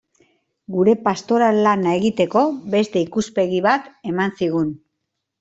Gure pastoral lana egiteko beste ikuspegi bat eman zigun.